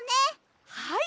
はい。